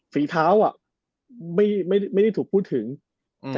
ฝีเท้าอ่ะไม่ไม่ได้ถูกพูดถึงอืม